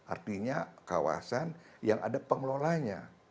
artinya kawasan yang ada pengelolanya